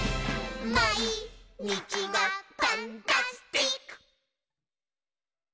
「まいにちがパンタスティック！」